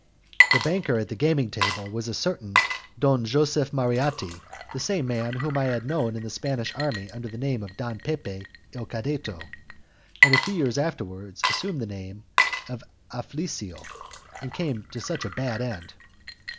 The banker at the gaming table was a certain Don Joseph Marratti, the same man whom I had known in the Spanish army under the name of Don Pepe il Cadetto, and a few years afterwards assumed the name of Afflisio, and came to such a bad end.